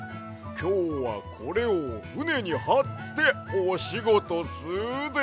きょうはこれをふねにはっておしごとすで！